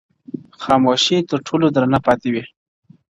خاموسي تر ټولو درنه پاتې وي-